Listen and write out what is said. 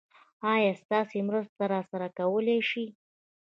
ايا تاسې مرسته راسره کولی شئ؟